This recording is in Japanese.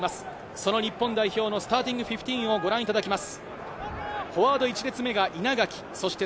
その日本代表のスタンディングフィフティーンをご覧いただきます。